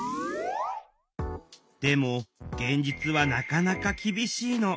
でも現実はなかなか厳しいの。